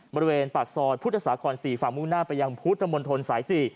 บริเวณปากซอยพุทธศาคอน๔ฝั่งมุ่งหน้าไปยังพุทธมนตรสาย๔